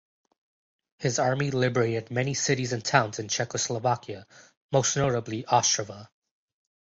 His army liberated many cities and towns in Czechoslovakia, most notably Ostrava.